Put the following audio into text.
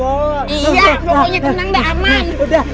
iya pokoknya tenang dan aman